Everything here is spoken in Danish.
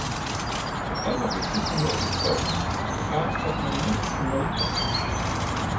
Det allervigtigste mål for den er at nå ned på nul ofre.